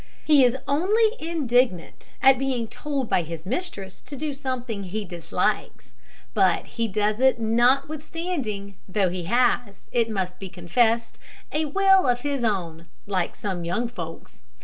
He is only indignant at being told by his mistress to do something he dislikes; but he does it notwithstanding, though he has, it must be confessed, a will of his own, like some young folks.